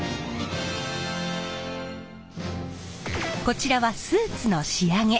こちらはスーツの仕上げ。